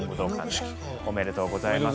おめでとうございます。